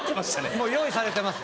・もう用意されてます